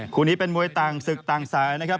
คู่นี้เป็นมวยต่างศึกต่างสายนะครับ